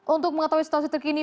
untuk mengetahui situasi terkini